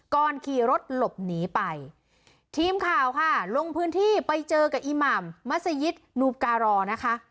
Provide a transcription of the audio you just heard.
ขี่รถหลบหนีไปทีมข่าวค่ะลงพื้นที่ไปเจอกับอีหม่ำมัศยิตนูการอนะคะ